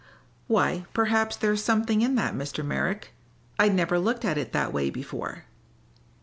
"Why, perhaps there's something in that, Mr. Merrick. I'd never looked at it that way before."